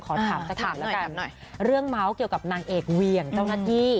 ขอถามหน่อยเรื่องเกี่ยวกับนางเอกเวียงเจ้านักกี้